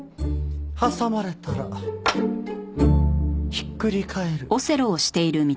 挟まれたらひっくり返る。